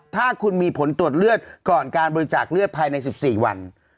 ถ้าคุณมีผลตรวจเลือดก่อนการบริจาคเลือดภายใน๑๔วัน